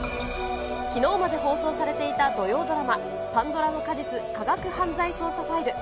きのうまで放送されていた土曜ドラマ、パンドラの果実科学犯罪捜査ファイル。